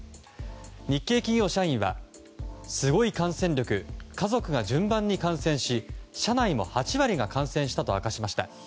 日系企業社員は、すごい感染力家族が順番に感染し社内も８割が感染したと明かしました。